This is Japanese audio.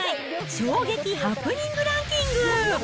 衝撃ハプニングランキング。